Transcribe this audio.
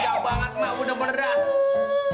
tegaw banget undang undang